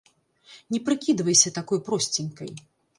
Не прыкідвайся такой просценькай.